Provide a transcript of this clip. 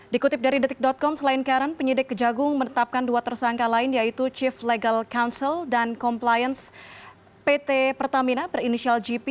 dikutip dari detik com selain karen penyidik kejagung menetapkan dua tersangka lain yaitu chief legal council dan compliance pt pertamina berinisial gp